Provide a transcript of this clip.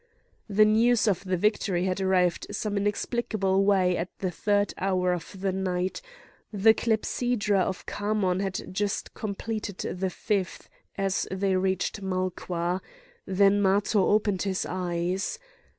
The news of the victory had arrived in some inexplicable way at the third hour of the night; the clepsydra of Khamon had just completed the fifth as they reached Malqua; then Matho opened his eyes.